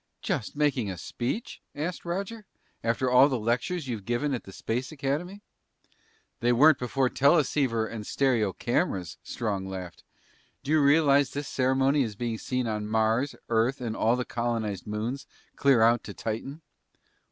"Just making a speech?" asked Roger. "After all the lectures you've given at Space Academy?" "They weren't before teleceiver and stereo cameras." Strong laughed. "Do you realize this ceremony is being seen on Mars, Earth, and all the colonized moons, clear out to Titan."